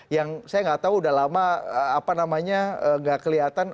yang saya nggak tahu udah lama apa namanya nggak kelihatan